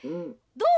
どう？